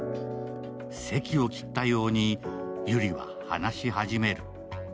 堰を切ったように、ゆりは話し始める。